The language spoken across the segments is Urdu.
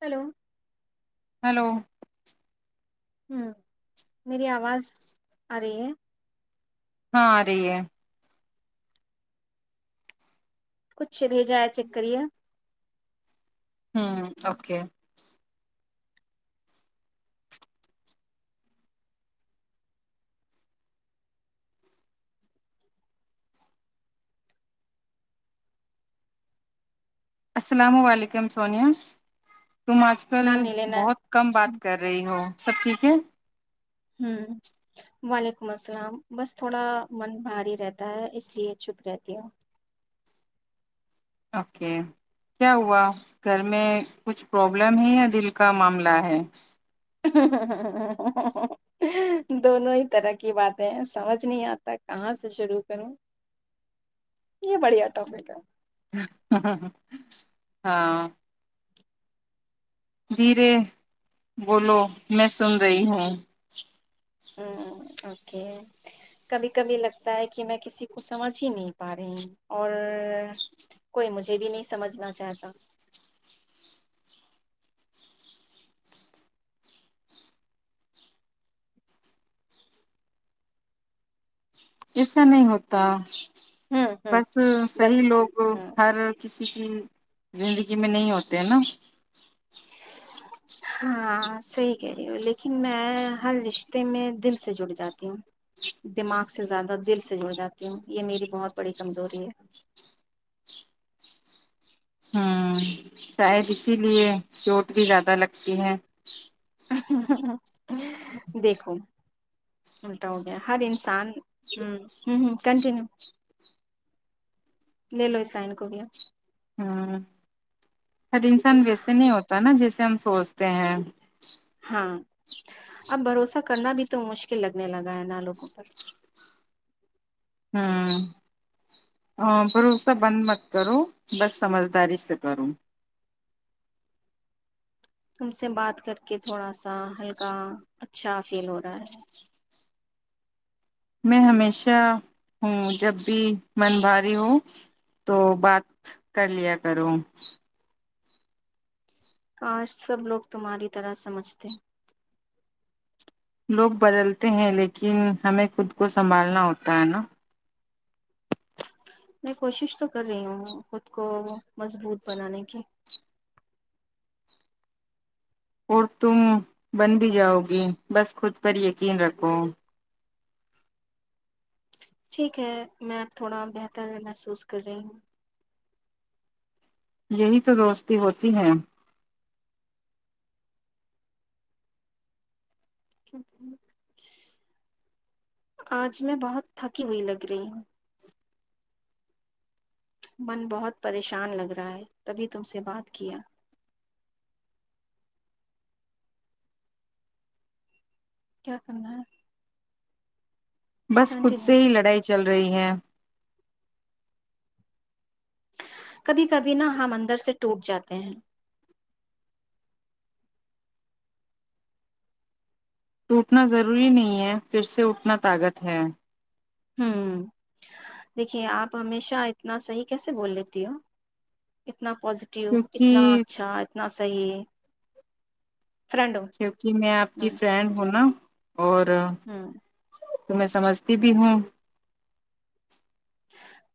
ہلو ہلو ہوں میری آواز آ رہی ہے ہاں رہی ہے بھیجایا چیک کریے ہوں اوکے السلام علیکم سونیا تم آج کل نام نہیں لینا ہے بہت کم بات کر رہی ہو سب ٹھیک ہے ہ وعلیکم السلام بس تھوڑا من بھاری رہتا ہے اس لیے چپ رہتی ہے اوکے کیا ہوا گھر میں کچھ پرابلم ہے یا دل کا معاملہ ہے دونوں ہی طرح کی باتیں سمجھ نہیں آتا کہاں سے شروع کروں یہ بڑھیا ٹاپک ہے ہاں دھیرے بولو میں سن رہی ہوں ہ اوکے کبھی کبھی لگتا ہے کہ میں کسی کو سمجھ ہی نہیں پا رہے اور کوئی مجھے بھی نہیں سمجھنا چاہتا ایسا نہیں ہوتا ہوں ہوں بس صی بس لوگ ہوں ہر کسی کی زندگی میں نہیں ہوتے ہیں نا ہاں صحی کہہ رہی ہو لیکن میں ہر رشتے میں دل سے جڑ جاتی ہوں دماغ سے زیادہ دل سے جڑ جاتی ہوں یہ میری بہت بڑی کمزوری ہے ہوں شاید اسی لیے چوٹ بھی زیادہ لگتی ہے ہ ہاں [unintelligible] دیکھو [unintelligible] ملٹا ہو گیا ہر انسان ہ ہ ہ کنٹینیو لے لو اس لائن کو بھی ہ ار انسان ویسے نہیں ہوتا نا جیسے ہم سوچتے ہیں ہ اب بھروسہ کرنا بھی تو مشکل لگنے لگا ہے نہ لوگوں پر ہوں ہ پرھرو سا بند مت کروں بس سمجھداری سے کروں تم سے بات کر کے تھوڑا سا ہلکا اچھا سیل ہو رہا ہے میں ہمیشہ ہوں جب بھی من بھاری ہ تو بات کر لیا کروں کاش سب لوگ تمہاری طرح سمجھتے ہیں لوگ بدلتے ہیں لیکن ہمیں خود کو سنبھالنا ہوتا ہے نا میں کوشش تو کر رہی ہوں خود کو مضبوط بنانے کی اور تم بن بھی جاؤ گی بس خود پر یقین رکھو ٹھیک ہے میں اب تھوڑا بہتر محسوس کر رہی ہوں یہی تو دوستی ہوتی ہے آج میں بہت تھکی ہوئی لگ رہی ہوں من بہت پریشان لگ رہا ہے تبھی تم سے بات کیا کیا کرنا ہے بس خود کنٹینیو سے ہی لڑائی چل رہی ہیں کبھی کبھی نہ ہم اندر سے ٹوٹ جاتے ہیں ٹوٹنا ضروری نہیں ہے پھر سے اٹنا طاقت ہے ہوں دیکھیے آپ ہمیشہ اتنا صحیح کیسے بول لیتی ہو اتنا پازیٹیو اتنا کیونکہ اچھا اتنا تئیی کیونکہ میں آپ کی فرینڈ ہوں نا اور ہوں تو میں سمجھتی بھی ہوں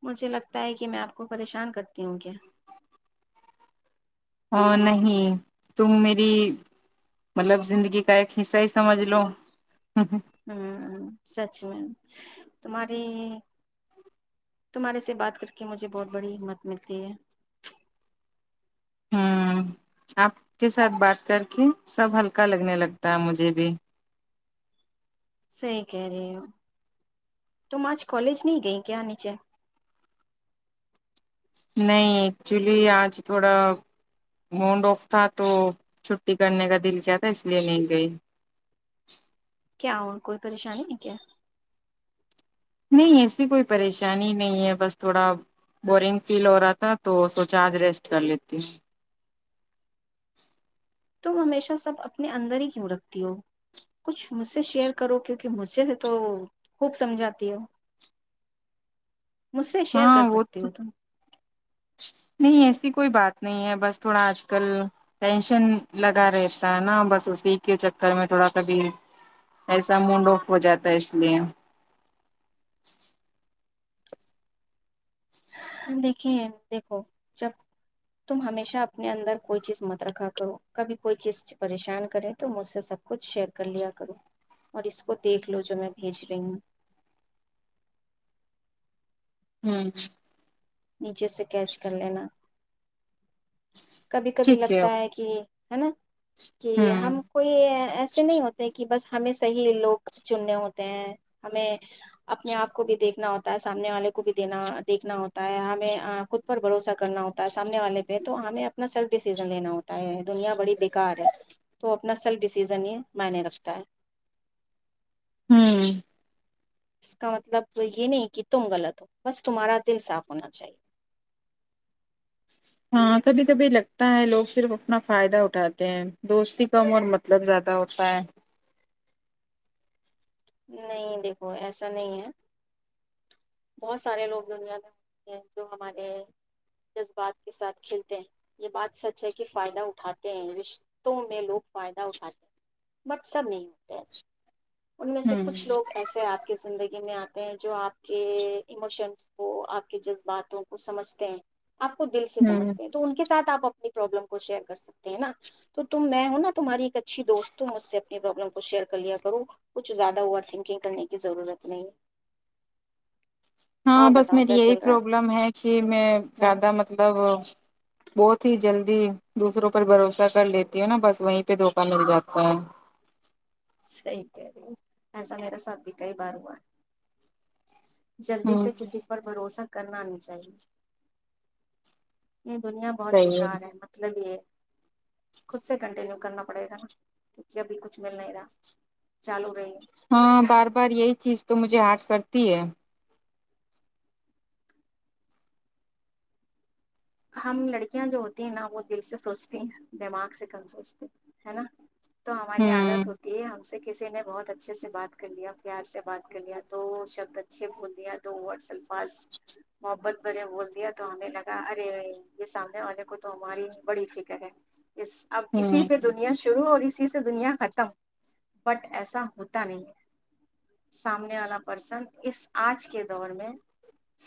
مجھے لگتا ہے کہ میں آپ کو پریشان کرتی ہوں کیا نہیں تم میری مطلب زندگی کا ایک حصہ ہی سمجھ لو ہوں ہوں ہ سچ میم تمہاری تمہارے سے بات کر کے مجھے بہت بڑی ہمت ملتی ہے ہ آپ کے ساتھ بات کر کے سب ہلکا لگنے لگتا ہے مجھے بھی سی کہ رہی ہ تو مج کالج نہیں گئی کیا نیچے نہیں ایکچولی آج تھوڑا مونڈ آف تھا تو چھٹی کرنے کا دل کیا تھا اس لیے م گئی کیا ہو کوئی پریشانی نہیں کیا ایسی کوئی پریشانی نہیں ہے بس تھوڑا بورنگ فیل ہو رہا تھا تو سوچا آج ریسٹ کر لیتی ہوں تم ہمیشہ سب اپنے اندر ہی کیوں رکھتی ہو کچھ مجھ سے شیئر کرو کیونکہ مجھ سے تو خوب سمجھاتی ہو مجھ سے شیئر کر ہاں وہ تو سکتی ہو تم نہیں ایسی کوئی بات نہیں ہے بس تھوڑا آج کل ٹینشن لگا رہتا ہے نا بس اسی کے چکر میں تھوڑا کبھی ایسا مڈ آف ہو جاتا ہے اس لیے دیکھیے دیکھو جب تم ہمیشہ اپنے اندر کوئی چیز مت رکھا کرو کبھی کوئی چیز پریشان کرے تو مجھ سے سب کچھ شیئر کر لیا کرو اور اس کو دیکھ لو جو میں بھیج رہی ہوں ہوں نیچے سے کیچ کر لینا کبھی کبھی لگتا ہے کہ ہے نا کہ ہوں ہم کوئی ایسے نہیں ہوتے کہ بس ہمیں صحیح لوگ چننے ہوتے ہیں ہمیں اپنے آپ کو بھی دیکھنا ہوتا تا ہے سامنے والے کو بھی دینا دیکھنا ہوتا تا ہمیں خود پر بھروسہ کرنا ہوتا ہے سامنے والے پہ تو ہمیں اپنا سیلف ڈیسیزن لینا ہوتا ہے دنیا بڑی بیکار ہے تو اپنا سیلف ڈیسیزن یہ منی رکھتا ہے ہوں اس کا مطلب یہ نہیں کہ تم غلط ہو بس تمہارا دل صاف ہونا چاہیے ہاں کبھی کبھی لگتا ہے لوگ صرف اپنا فائدہ اٹھاتے ہیں دوستی کم اور مطلب زیادہ ہوتا ہے نہیں دیکھو ایسا نہیں ہے بہت سارے لوگ دنیا میں ہوتے ہیں جو ہمارے جذبات کے ساتھ کھلتے ہیں یہ بات سچ ہے کہ فائدہ اٹھاتے ہیں رشتوں میں لوگ فائدہ اٹھاتے ہیں بٹ سب نہیں ہوتے ایسے ان میں سے ہوں کچھ لوگ ایسے آپ کی زندگی میں جو آپ کے ایموشنس کو آپ کے جذباتوں کو سمجھتے ہیں آپ کو دل سے ہوں سمجتے ہیں تو ان کے سھ آپ پرابلم کو شیئر کر س ہیں نا تو تم میں ا تماری اچھی دوستوںج اس سے اپنی پرابلم ک شیئر کرلیا کرو کچھ زیادہ اوور تھنکنگ کرنے کی ضرورت نہیں ہاں اور بس بتاؤ میری کیا یہی چل رہا پرابلم ہے کہ میں ہے ہ زیادہ مطلب بہت ہی جلدی دوسروں پر بھروسہ کر لیتی ہ نا بس وہیں پہ دھوکا مل جاتا ہے صحی کہہ رہی ایسا میرا سب بھی کئی بار ہوا ہے جلدی ہوں سے کسی پر بھروسہ کرنا نہیں چاہیے یہ دنیا بہت بیکار ہے مطلب یہ ہے خود سے کنٹینیو کرنا پڑے گا نا کیونکہ ابھی کچھ مل نہیں رہا چالو بھائی ہاں بار بار یہی چیز تو مجھے ہرٹ کرتی ہے ہم لڑکیاں جو ہوتی ہیں نا وہ دل سے سوچتی ہیں دماغ سے کم سوچتے ہے نا تو ہماری ہوں عادت ہوتی ہے ہم سے کسی نے بہت اچھے سے بات کر لیا پیار سے بات کر لیا دو شبد اچھے بول دیا دو ورڈس الفاظ محبت بنےے بول دیا تو ہمیں لگا یہ سامنے والے کو تو ہماری بڑی فکر ہے اس اب ہوں اسی پہ دنیا شروع اور اس سے دنیا ختم بٹ ایسا ہوتا نہیں سامنے والا پرسن اس آج کے دور میں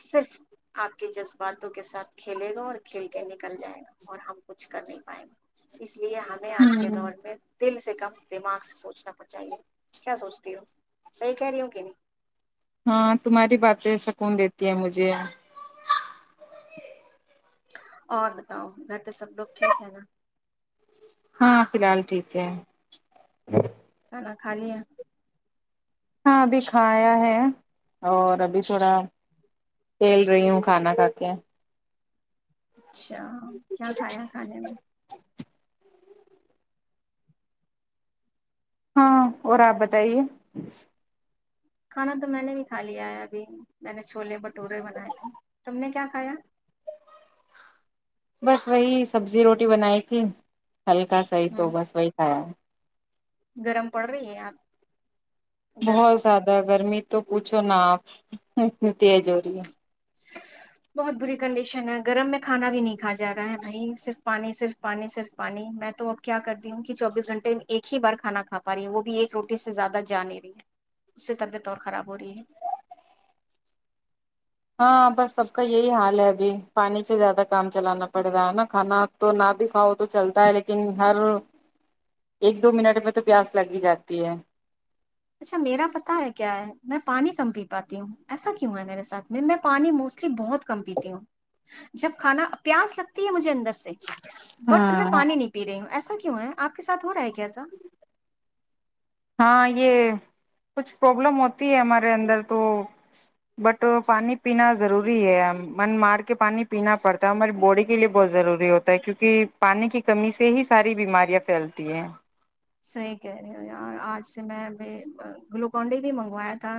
صرف آپ کے جذباتوں کے ساتھ کھیلے کون کھل کے نکل جائے گا اور ہم کچھ کر نہیں پائیں گے اس لیے ہمیں آج کے ہوں دور میں دل سے ک دماغ سے سوچنا پڑچاہے کیا سوچتی ہووں صحیح کہہ رہی ہوں کہ نہیں ہاں تمہاری باتیں سکون دیتی ہے مجھے اور بتاؤ گھر پہ سب لوگ ٹھیک ہے نا ہاں فی الحال ٹھیک ہے ک نا خالی ہے ہاں ابھی کھایا ہے اور ابھی تھوڑا کھیل رہی ہوں کھانا کھا کے جچ اچھا کیا کھایا کھانے میں ہاں اور آپ بتائیے کھانا تو میں نے بھی کھا لیا ہے ابھی میں نے چھوولے بھٹورے بنائے تھے تم نے کیا کھایا بس وہی سبزی روٹی بنائی تھی ہلکا صحی ہ تو بس وہی کھیا گرم پڑ رہی ہے آپ ادھر بہت زیادہ گرمی تو پوچھو نا آپ اتنی تیز ہو رہی ہے بہت بری کنڈیشن ہے گرم میں کھانا بھی نہیں دکھا جا رہا ہے بھائی صرف پانی صرف پانی صرف پانی میں تو اب کیا کرتی ہوں کہ چوبیس گھنٹے میں ایک ہی بار کھانا کھا پا رہی ہ وہ بھی ایک روٹی سے زیادہ جا نہیں رہی ہے اس سے طبیعت اور خراب ہو رہی ہے ہاں بس سب کا یہی حال ہے ابھی پانی سے زیادہ کام چلانا پڑ رہا ہے نا کھانا تو نہ بھی کھاؤ تو چلتا ہے لیکن ہر ایک دو منٹ میں تو پیاس لگ ہی جاتی ہے اچھا میرا پتا ہے کیا ہے میں پانی کم پی پاتی ہوں ایسا کیوں ہے میرے ساتھ میں میں پانی موسٹلی بہت کم پیتی ہوں جب کھانا پیاس لگتی ہے مجھے سے بٹ میں ہاں پانی نہیں پی رہی ہوں ایسا کیا وں ہے آپ کے ساتھ ہو رہا ہے کیسا ہاں یہ کچھ پرابلم ہوتی ہے ہمارے اندر تو بٹ پانی پینا ضروری ہے من مار کے پانی پینا پڑتا ہے ہماری باڈی کے لیے بہت ضروری ہوتا ہے کیونکہ پانی کی کمی سے ہی ساری بیماریاں پھیلتی ہیں صحیح کہہ رہے ہو یار آج سے میں ا گلوکونڈی بھی منگوایا تھا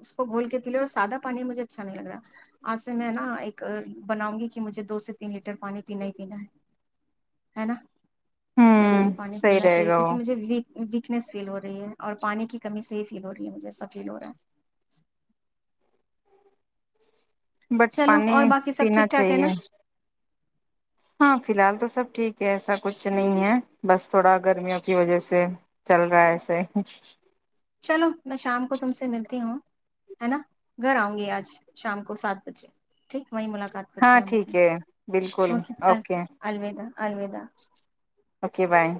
اس کو گھول کے پی لے اور سادہ پانی مجھے اچھا نہیں لگ رہا آج سے میں نا ایک بناؤں گی کہ مجھے دو سے تین لیٹر پانی پینا ہی پینا ہے ہے نا مجھے بھی ہوں پانی صحیح پینا رہے چاہیے گا کیہ وہ مجھے ویک ویکنیس فیل ہو رہی ہے اور پانی کی کمی صحی فیل ہو رہی ہے مجھے سا فیل ہو رہا ہے بٹ چلو پانی اور باقی سب پینا ٹھیک ٹھاک ہے چاہیے نا ہاں فی الحال تو سب ٹھیک ہے ایسا کچھ نہیں ہے بس تھوڑا گرمیوں کی وجہ سے چل رہا ہے ایسے چلو میں شام کو تم سے ملتی ہوں ہے نا گھر آؤں گی آج شام کو سات بجے ٹھیک وہیں ملاقات کرتے ہاں ہیں ہم ٹھیک اپنی ہے بالکل اوکے الوداع الوداع اوکے بائے